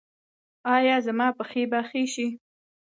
ایا زما پښې به ښې شي؟